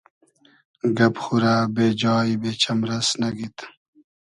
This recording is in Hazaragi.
گئب خورۂ بې جای , بې چئمرئس نئگید